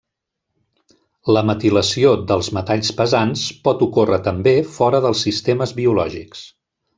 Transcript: La metilació dels metalls pesants pot ocórrer també fora dels sistemes biològics.